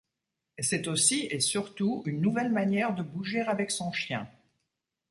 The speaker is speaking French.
C’est aussi et surtout une nouvelle manière de bouger avec son chien.